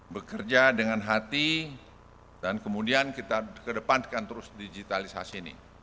bekerja dengan hati dan kemudian kita kedepankan terus digitalisasi ini